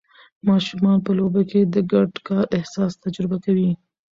ماشومان په لوبو کې د ګډ کار احساس تجربه کوي.